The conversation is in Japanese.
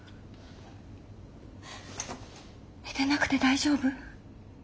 寝てなくて大丈夫？